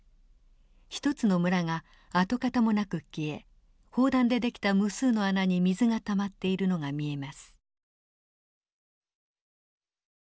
一つの村が跡形もなく消え砲弾で出来た無数の穴に水がたまっているのが見えます。